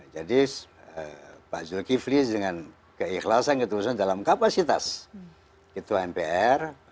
jadi pak zulkifli dengan keikhlasan terus dalam kapasitas ketua mpr